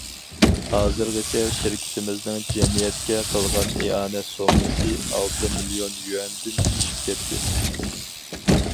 ھازىرغىچە شىركىتىمىزنىڭ جەمئىيەتكە قىلغان ئىئانە سوممىسى ئالتە مىليون يۈەندىن ئېشىپ كەتتى.